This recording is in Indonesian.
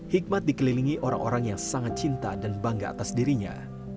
hikmat dikelilingi orang orang yang sangat cinta dan bangga atas dirinya